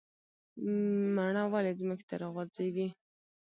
مڼه ولې ځمکې ته راغورځیږي؟